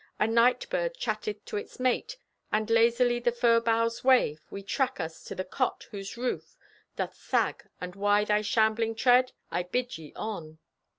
A night bird chatteth to its mate, And lazily the fir boughs wave. We track us to the cot whose roof Doth sag—and why thy shambling tread? I bid ye on!